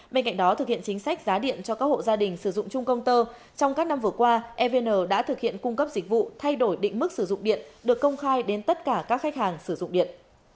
bên cạnh đó thực hiện chính sách giá điện cho các hộ gia đình sử dụng chung công tơ trong các năm vừa qua evn đã thực hiện cung cấp dịch vụ thay đổi định mức sử dụng điện được công khai đến tất cả các khách hàng sử dụng điện